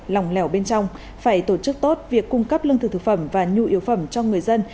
lòng lẻo bên trong phải tổ chức tốt việc cung cấp lương thực thực phẩm và nhu yếu phẩm cho người dân